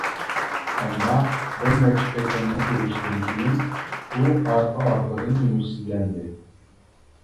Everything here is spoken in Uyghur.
ئەمما بىر نەچچە قېتىملىق ئۇرۇشتىن كىيىن ئۇ ئارقا-ئارقىدىن ئۈمىدسىزلەندى.